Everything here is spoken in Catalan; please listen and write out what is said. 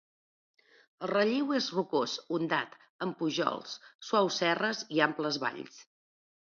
El relleu és rocós, ondat, amb pujols, suaus serres i amples valls.